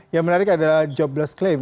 yang menarik adalah jobless claim